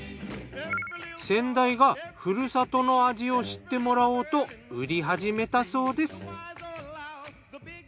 先代がふるさとの味を知ってもらおうと売り始めたそうです。